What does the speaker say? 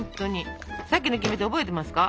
さっきのキメテ覚えてますか？